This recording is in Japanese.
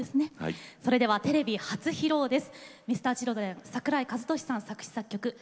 それではテレビ初披露です。